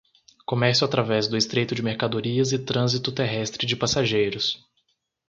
Comércio através do Estreito de mercadorias e trânsito terrestre de passageiros